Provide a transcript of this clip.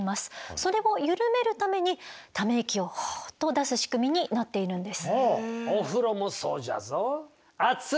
それを緩めるためにため息をホッと出す仕組みになっているんです。